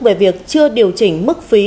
về việc chưa điều chỉnh mức phí